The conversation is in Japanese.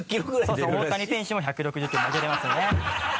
そうそう大谷選手も１６０ｋｍ投げれますよね。